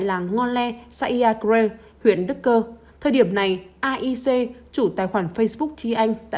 làng ngò lè xã yà clay huyện đức cơ thời điểm này aec chủ tài khoản facebook chi anh đã